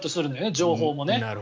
情報もね。